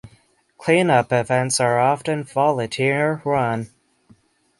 Cleanup events are often volunteer run.